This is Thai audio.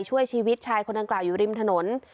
ช่วยชีวิตชายคนดังกล่าวอยู่ริมถนน